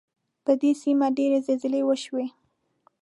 پر دې سیمې ډېرې زلزلې وشوې.